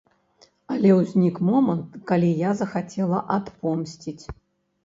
Але ўзнік момант, калі я захацела адпомсціць.